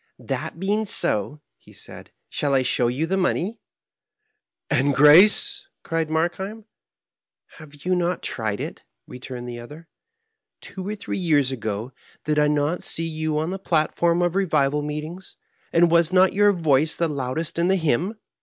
"That being so," he said, " shall I show yon the money ?" "And grace?" cried Markheim. "Have you not tried it?" returned the other. " Two or three years ago, did I not see you on the plat form of revival meetings, and was not your voice the loudest in the hymn?"